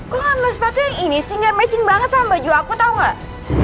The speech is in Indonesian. kok ngambil sepatu yang ini sih gak matching banget sama baju aku tau gak